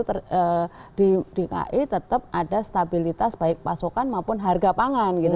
karena di dki tetap ada stabilitas baik pasokan maupun harga pangan gitu